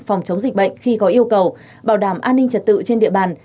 phòng chống dịch bệnh khi có yêu cầu bảo đảm an ninh trật tự trên địa bàn